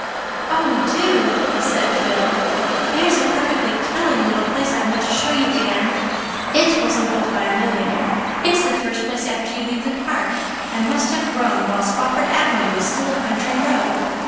"Oh, do," said Phil. "There's a perfectly killing little place I want to show you, Anne. it wasn't built by a millionaire. It's the first place after you leave the park, and must have grown while Spofford Avenue was still a country road.